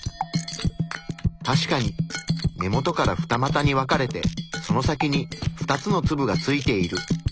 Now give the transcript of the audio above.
確かに根元から二またに分かれてその先に２つの粒がついている。